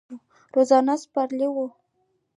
روزنه سپارلې وه.